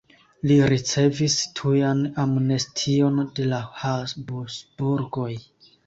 Li ricevis tujan amnestion de la Habsburgoj.